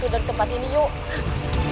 dari tempat ini yuk